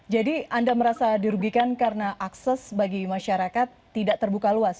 jadi anda merasa dirugikan karena akses bagi masyarakat tidak terbuka luas